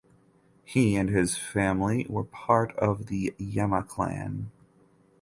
He and his family were part of the Yema clan.